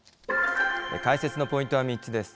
解説のポイントは３つです。